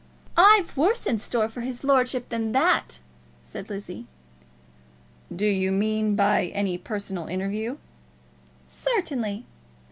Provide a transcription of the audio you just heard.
"I've worse in store for his lordship than that," said Lizzie. "Do you mean by any personal interview?" "Certainly."